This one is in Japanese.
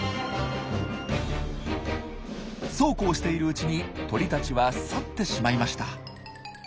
そうこうしているうちに鳥たちは去ってしまいました。